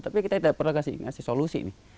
tapi kita pernah kasih solusi